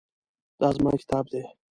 دا زما کتاب دی